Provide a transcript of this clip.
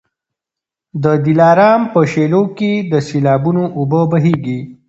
د دلارام په شېلو کي د سېلابونو اوبه بهیږي.